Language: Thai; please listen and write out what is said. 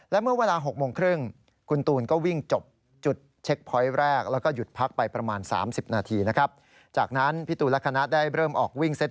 แล้วเมื่อเวลา๖๓๐นคุณตูนก็วิ่งจบจุดเช็กพอยต์แรก